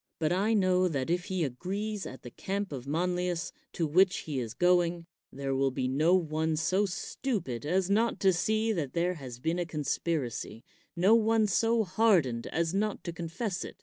But I know that if he arrives at the camp of Manlius to which he is going, there will be no one so stupid as not to see that thete has been a conspiracy, no one so hardened as not to confess it.